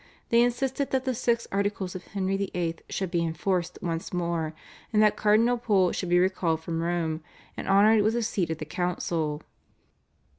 They insisted that the Six Articles of Henry VIII. should be enforced once more and that Cardinal Pole should be recalled from Rome, and honoured with a seat at the council.